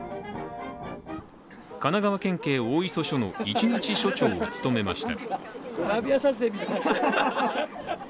神奈川県警大磯署の１日署長を務めました。